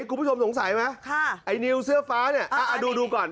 คุณผู้ชมสงสัยไหมไอ้นิวเสื้อฟ้าเนี่ยดูก่อน